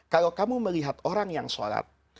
kalau kamu melihat orang yang sholat